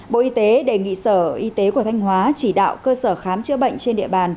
bộ y tế đề nghị sở y tế của thanh hóa chỉ đạo cơ sở khám chữa bệnh trên địa bàn